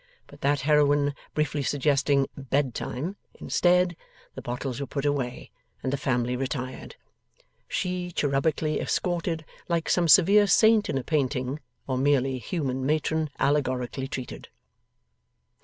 But that heroine briefly suggesting 'Bedtime' instead, the bottles were put away, and the family retired; she cherubically escorted, like some severe saint in a painting, or merely human matron allegorically treated.